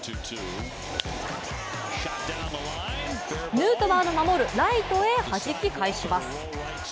ヌートバーの守るライトへはじき返します。